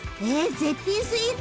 絶品スイーツ？